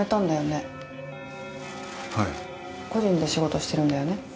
個人で仕事してるんだよね？